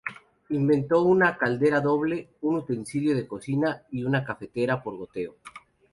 Inventó una caldera doble, un utensilio de cocina y una cafetera por goteo.